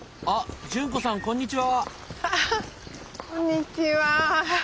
あっこんにちは。